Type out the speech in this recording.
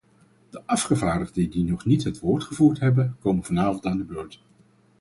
De afgevaardigden die nog niet het woord gevoerd hebben, komen vanavond aan de beurt.